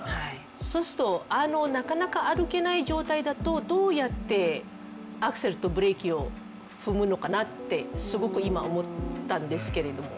そうすると、なかなか歩けない状態だとどうやってアクセルとブレーキを踏むのかなってすごく今、思ったんですけれども。